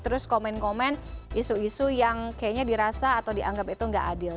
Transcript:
terus komen komen isu isu yang kayaknya dirasa atau dianggap itu nggak adil